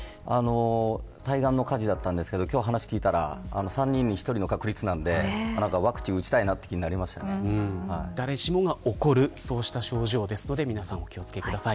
対岸の火事だったんですけど話を聞いたら３人に１人の確率なんでワクチン打ちたいという気持ちに誰しもが起こる症状ですので皆さん、お気を付けください。